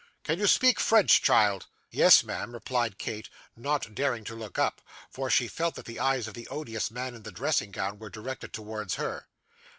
'Can you speak French, child?' 'Yes, ma'am,' replied Kate, not daring to look up; for she felt that the eyes of the odious man in the dressing gown were directed towards her.